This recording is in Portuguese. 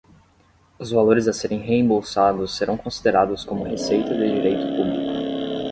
Os valores a serem reembolsados serão considerados como receita de direito público.